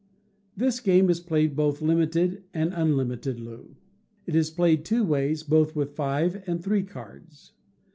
This game is played both Limited and Unlimited Loo; it is played two ways, both with five and three cards.